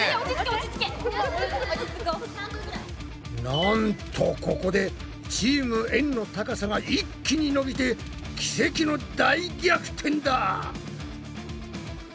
なんとここでチームエんの高さが一気に伸びて奇跡の大逆転だ！